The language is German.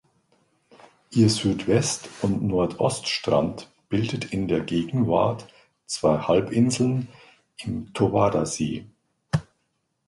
Ihr Südwest- und Nordostrand bildet in der Gegenwart zwei Halbinseln im Towada-See.